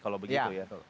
kalau begitu ya